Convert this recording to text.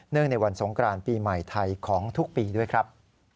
ในวันสงกรานปีใหม่ไทยของทุกปีด้วยครับ